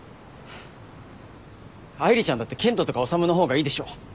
愛梨ちゃんだって健人とか修の方がいいでしょ？